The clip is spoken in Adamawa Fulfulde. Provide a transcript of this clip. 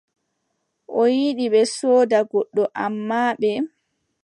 O yiɗi ɓe sooda goɗɗo, ammaa ɓe.